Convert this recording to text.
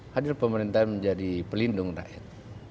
hadir pemerintah yang menjadi pelindung rakyat